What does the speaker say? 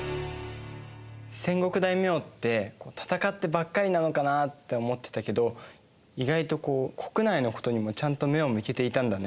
戦国大名って戦ってばっかりなのかなって思ってたけど意外とこう国内のことにもちゃんと目を向けていたんだね。